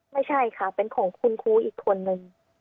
ไม่ใช่ค่ะเป็นของคุณครูอีกคนนึง